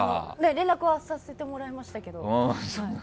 連絡はさせてもらいましたけど。